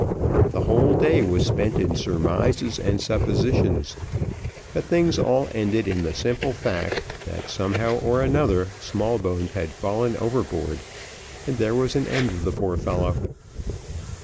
The whole day was spent in surmises and suppositions; but things all ended in the simple fact, that somehow or another Smallbones had fallen overboard, and there was an end of the poor fellow.